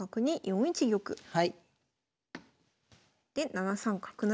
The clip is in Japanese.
で７三角成。